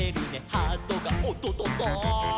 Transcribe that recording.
「ハートがおっとっとっと」